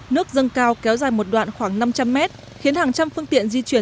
nước dâng cao kéo dài một đoạn khoảng năm trăm linh mét khiến hàng trăm phương tiện di chuyển